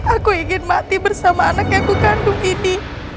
aku ingin mati bersama anak yang kukandung ini